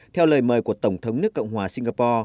theo lời mời của tổng thống nước cộng hòa singapore